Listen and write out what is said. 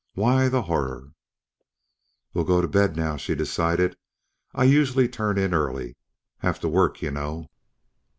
Why the horror? "We'll go to bed now," she decided. "I usually turn in early. Have to work, you know."